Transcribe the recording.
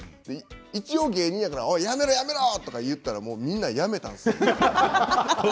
一応、芸人だからやめろやめろとかいったらみんな、やめたんですよ。